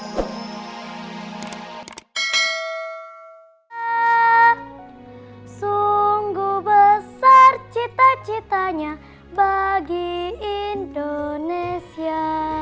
sungguh besar cita citanya bagi indonesia